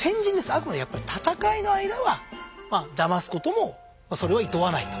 あくまでやっぱり戦いの間はだますこともそれはいとわないと。